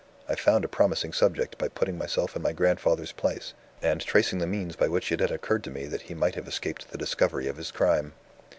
I found a promising subject by putting myself in my grandfather's place, and tracing the means by which it had occurred to me that he might have escaped the discovery of his crime.